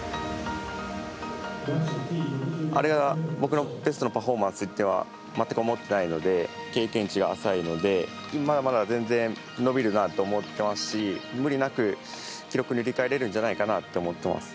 あれが、僕のベストのパフォーマンスとは全く思っていないので経験値が浅いのでまだまだ全然伸びるなと思っていますし無理なく、記録塗り替えれるんじゃないかなと思っています。